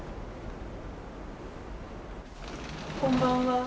こんばんは。